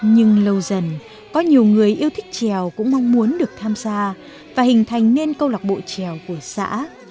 nhưng lâu dần có nhiều người yêu thích trèo cũng mong muốn được tham gia và hình thành nên câu lạc bộ trèo của xã